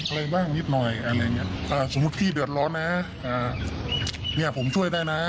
อะไรบ้างนิดหน่อยอะไรอย่างเงี้ยอ่าสมมุติพี่เดือดร้อนนะอ่าเนี่ยผมช่วยได้นะ